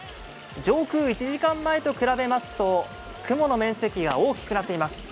上空、１時間前と比べますと雲の面積が大きくなっています。